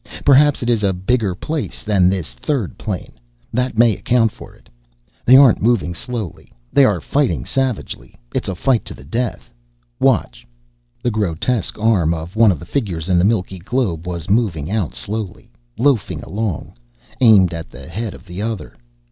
Perhaps it is a bigger place than this third plane. That may account for it. They aren't moving slowly, they are fighting savagely. It's a fight to the death! Watch!" The grotesque arm of one of the figures in the milky globe was moving out slowly, loafing along, aimed at the head of the other.